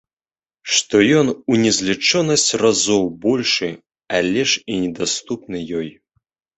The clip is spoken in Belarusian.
Што ён у незлічонасць разоў большы, але ж і недаступны ёй.